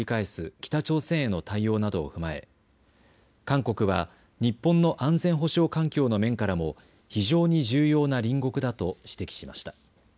北朝鮮への対応などを踏まえ韓国は日本の安全保障環境の面からも非常に重要な隣国だと指摘しました。